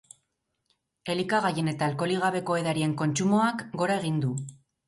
Elikagaien eta alkoholik gabeko edarien kontsumoak gora egin du.